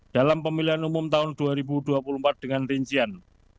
dalam pemilihan umum tahun dua ribu dua puluh empat dengan rincian